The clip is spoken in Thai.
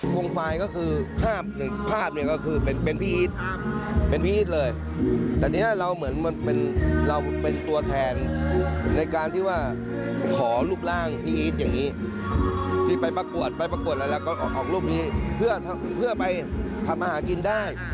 ไฟล์ก็คือภาพหนึ่งภาพเนี่ยก็คือเป็นพี่อีทเป็นพี่อีทเลยแต่เนี้ยเราเหมือนเราเป็นตัวแทนในการที่ว่าขอรูปร่างพี่อีทอย่างนี้ที่ไปประกวดไปประกวดอะไรแล้วก็ออกรูปนี้เพื่อไปทำอาหารกินได้